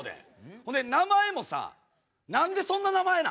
ほんで名前もさ何でそんな名前なん？